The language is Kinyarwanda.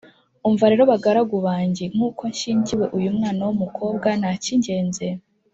Umva rero bagaragu banjye, nk'uko nshyingiwe, uyu mwana w'umukobwa ntakigenze